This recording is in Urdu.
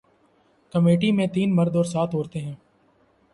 کمیٹی میں تین مرد اور سات عورتیں ہیں